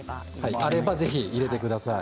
あれば、ぜひ入れてください。